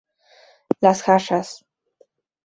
Las jarras.